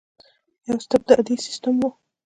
یو استبدادي سسټم وو.